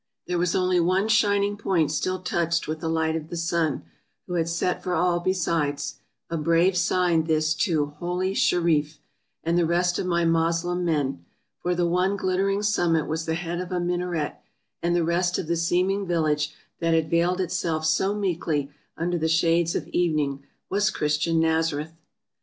There was only one shining point still touched with the light of the sun, who had set for all besides ; a brave sign this to " holy Shereef, " and the rest of my Moslem men ; for the one glittering summit was the head of a minaret, and the rest of the seeming vil lage that had veiled itself so meekly under the shades of evening was Christian Nazareth.